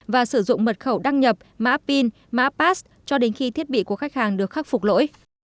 và sử dụng mật khẩu đăng nhập mã pin mã pass cho đến khi thiết bị của khách hàng được khắc phục lỗi